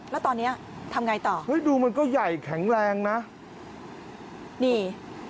แล้วตอนเนี้ยทำไงต่อเฮ้ยดูมันก็ใหญ่แข็งแรงนะนี่